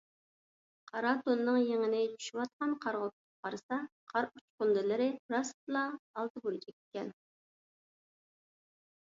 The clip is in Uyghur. قارا تونىنىڭ يېڭىنى چۈشۈۋاتقان قارغا تۇتۇپ قارىسا، قار ئۇچقۇندىلىرى راستلا ئالتە بۇرجەك ئىكەن.